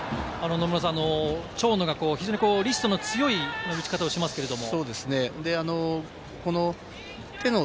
野村さん、長野が非常にリストの強い打ち方をしますけれども？